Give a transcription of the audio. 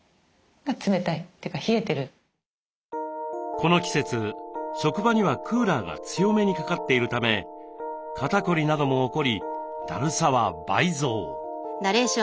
この季節職場にはクーラーが強めにかかっているため肩凝りなども起こりだるさは倍増。